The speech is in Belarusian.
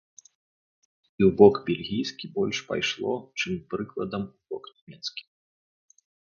І ў бок бельгійскі больш пайшло, чым, прыкладам, у бок нямецкі.